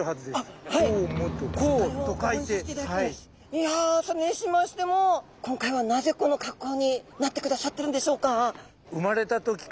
いやあそれにしましても今回はなぜこの格好になってくださってるんでしょうか？